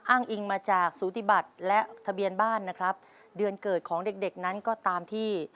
อ้างอิงมาจากสูติบัติและทะเบียนบ้านนะครับเดือนเกิดของเด็กเด็กนั้นก็ตามที่